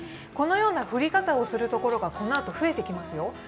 このような降り方をする所がこのあと増えてきますよ。